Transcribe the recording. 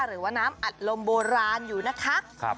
หรือว่าน้ำอัดลมโบราณอยู่นะคะ